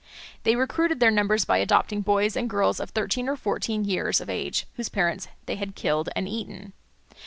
They recruited their numbers by adopting boys and girls of thirteen or fourteen years of age, whose parents they had killed and eaten.